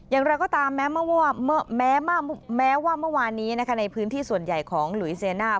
อย่างไรก็ตามแม้ว่าเมื่อวานนี้ในพื้นที่ส่วนใหญ่ของหลุยเซียน่า